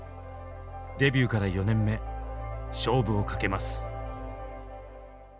デビューから４年目勝負をかけます。